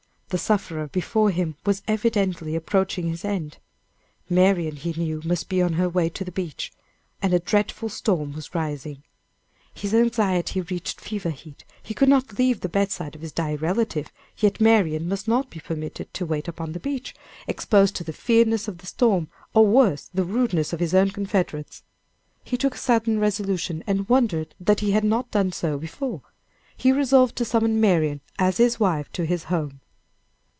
The sufferer before him was evidently approaching his end. Marian he knew must be on her way to the beach. And a dreadful storm was rising. His anxiety reached fever heat. He could not leave the bedside of his dying relative, yet Marian must not be permitted to wait upon the beach, exposed to the fierceness of the storm, or worse the rudeness of his own confederates. He took a sudden resolution, and wondered that he had not done so before. He resolved to summon Marian as his wife to his home.